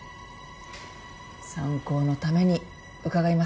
参考のために伺います。